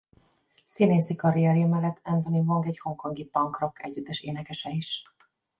Színészi karrierje mellett Anthony Wong egy hongkongi punk-rock együttes énekese is.